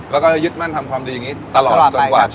แล้วก็จะยึดมันทำความดีอย่างนี้